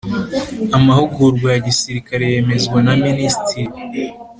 Amahugurwa ya gisirikare yemezwa na Minisitiri